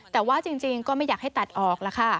แต่ว่าจริงก็ไม่อยากให้ตัดออกแล้วค่ะ